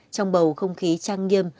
trong bầu không khí trang nghiêm